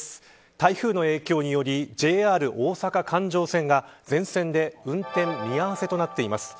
台風の影響によりＪＲ大阪環状線が全線で運転見合わせとなっています。